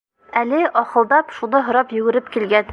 Әле, ахылдап, шуны һорап йүгереп килгән.